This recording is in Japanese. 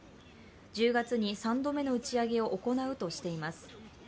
１０月に３度目の打ち上げを行うとしています。